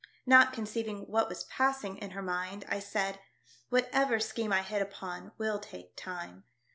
Not conceiving what was passing in her mind, I said, "Whatever scheme I hit upon will take time.